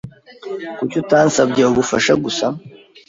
Kuki utansabye ubufasha gusa?